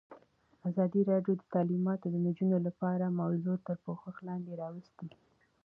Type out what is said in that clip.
ازادي راډیو د تعلیمات د نجونو لپاره موضوع تر پوښښ لاندې راوستې.